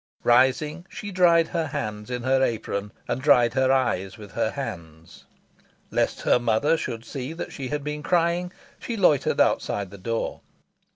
Rising, she dried her hands in her apron, and dried her eyes with her hands. Lest her mother should see that she had been crying, she loitered outside the door.